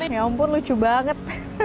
ya ampun lucu banget